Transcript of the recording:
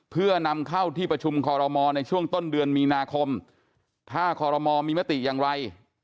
เพื่อนำเข้าที่ประชุมคอรมอลในช่วงต้นเดือนมีนาคมถ้าคอรมอลมีมติอย่างไร